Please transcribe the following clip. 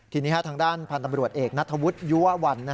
ทีนี้ทางด้านพันธ์ตำรวจเอกนัทธวุฒิยุวัล